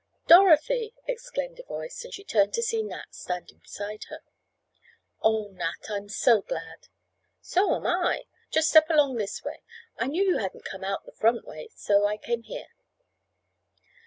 "Dorothy!" exclaimed a voice, and she turned to see Nat standing beside her. "Oh, Nat! I'm so glad!" "So am I. Just step along this way. I knew you hadn't come out the front way so I came here."